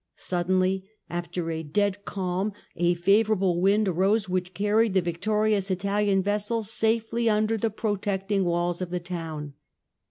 Suddenly after a dead calm a favourable wind arose which carried the victorious Italian vessels safely under the protecting walls of the town.